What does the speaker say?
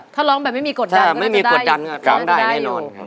ถ้าร้องแบบไม่มีกดดันก็จะได้อยู่